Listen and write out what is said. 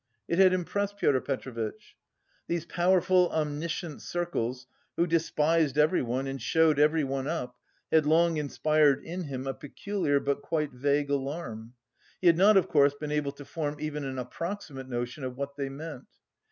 It had impressed Pyotr Petrovitch. These powerful omniscient circles who despised everyone and showed everyone up had long inspired in him a peculiar but quite vague alarm. He had not, of course, been able to form even an approximate notion of what they meant.